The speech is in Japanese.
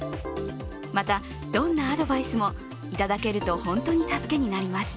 また、どんなアドバイスもいただけると本当に助けになります